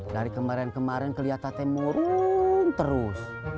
dari kemarin kemarin kelihatan murung terus